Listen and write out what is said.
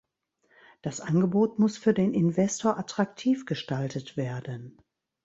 Das Angebot muss für den Investor attraktiv gestaltet werden.